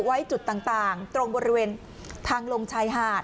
ไว้จุดต่างตรงบริเวณทางลงชายหาด